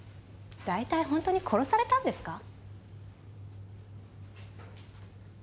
大体本当に殺されたんですか？